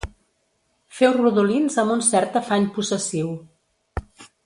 Feu rodolins amb un cert afany possessiu.